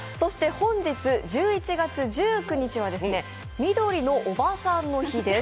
本日、１１月１９日は緑のおばさんの日です。